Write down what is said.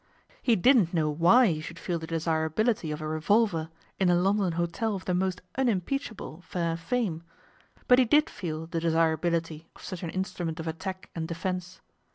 He didn't know why he should feel the desirability of a revolver in a London hotel of the most unimpeachable fair fame, but he did feel the desirability of such an instrument of attack and defence.